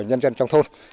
nhân dân trong thôn